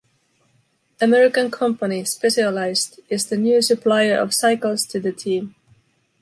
American company, Specialized, is the new supplier of cycles to the team.